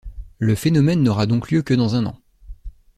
Le phénomène n’aura donc lieu que dans un an!